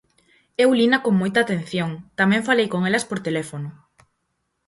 Eu lina con moita atención, tamén falei con elas por teléfono.